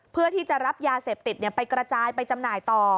เพื่อที่จะรับยาเสพติดไปกระจายไปจำหน่ายต่อ